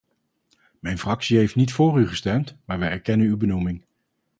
Mijn fractie heeft niet voor u gestemd, maar wij erkennen uw benoeming.